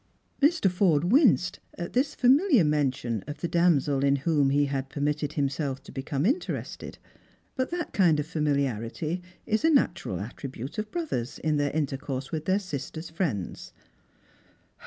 Mr. Fordo winced at this familiar mention of the damsel in whom he had permitted himself to become interested; but that kind of familiarity is a natural attribute of brothers in their intercourse with their sisters' friends.